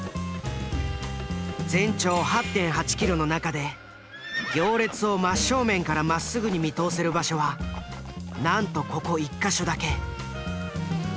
全長８．８キロの中で行列を真正面からまっすぐに見通せる場所はなんとここ１か所だけ。